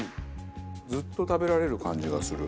ずっと食べられる感じがする。